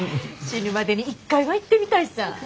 死ぬまでに一回は行ってみたいさぁ。